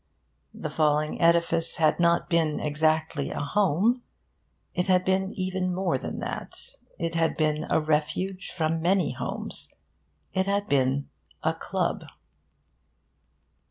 The falling edifice had not been exactly a home. It had been even more than that. It had been a refuge from many homes. It had been a club.